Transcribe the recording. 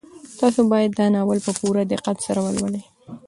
تاسو باید دا ناول په پوره دقت سره ولولئ.